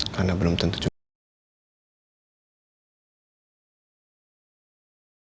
karena belum tentu cukup